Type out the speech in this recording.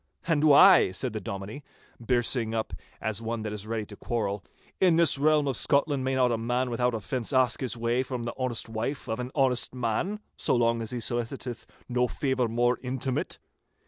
'And why,' said the Dominie, birsing up as one that is ready to quarrel, 'in this realm of Scotland may not a man without offence ask his way, from the honest wife of an honest man, so long as he soliciteth no favour more intimate?